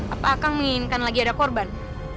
apa akan menginginkan lagi ada korban